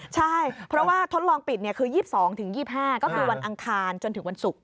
ใช่เพราะว่าทดลองปิดคือ๒๒๒๕ก็คือวันอังคารจนถึงวันศุกร์